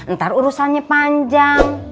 ntar urusannya panjang